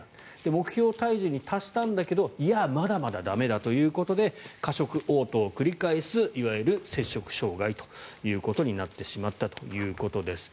目標体重に達したんだけどいや、まだまだ駄目だということで過食おう吐を繰り返すいわゆる摂食障害ということになってしまったということです。